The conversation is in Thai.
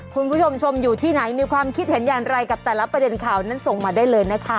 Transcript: คุณผู้ชมชมอยู่ที่ไหนมีความคิดเห็นอย่างไรกับแต่ละประเด็นข่าวนั้นส่งมาได้เลยนะคะ